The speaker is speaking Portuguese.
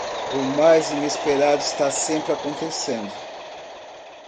O mais inesperado está sempre acontecendo.